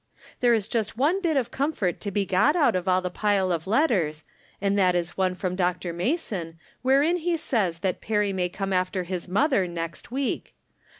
There is just one bit of comfort to be got out of aU the pile of letters, and that is one from Dr. From Different Standpoints. 261 Mason, wherein he says that Perry may come after his mother next week.